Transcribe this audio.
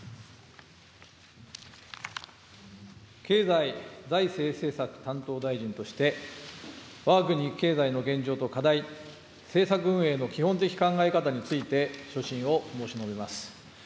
経済財政政策担当大臣として、わが国経済の現状と課題、政策運営の基本的考え方について、所信を申し述べます。